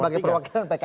sebagai perwakilan pks